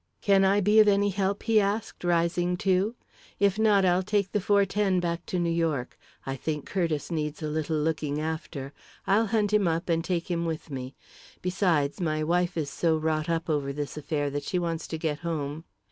"Can I be of any help?" he asked, rising too. "If not, I'll take the four ten back to New York. I think Curtiss needs a little looking after. I'll hunt him up and take him with me. Besides, my wife is so wrought up over this affair that she wants to get home."